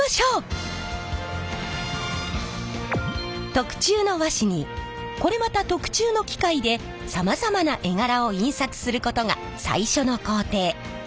特注の和紙にこれまた特注の機械でさまざまな絵柄を印刷することが最初の工程。